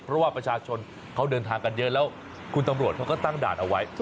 เพราะว่าประชาชนเขาเดินทางกันเยอะแล้วคุณตำรวจเขาก็ตั้งด่านเอาไว้